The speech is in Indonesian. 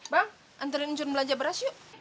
bang anturin njun belanja beras yuk